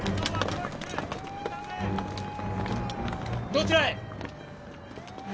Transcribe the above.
どちらへ？